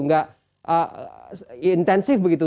nggak intensif begitu